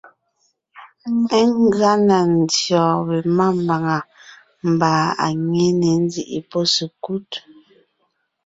Ngʉa na ndyè wɔ̀ɔn we mámbàŋa mbà à nyě ne ńzíʼi pɔ́ sekúd.